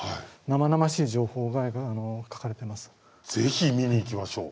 ぜひ見に行きましょう。